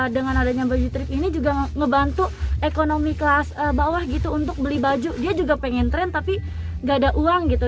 dengan adanya baju trip ini juga ngebantu ekonomi kelas bawah gitu untuk beli baju dia juga pengen tren tapi gak ada uang gitu